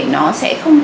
nó sẽ không được